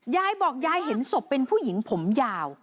ยายบอกยายเห็นศพเป็นผู้หญิงผมยาว